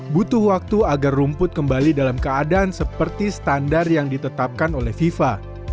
butuh waktu agar rumput kembali dalam keadaan seperti standar yang ditetapkan oleh fifa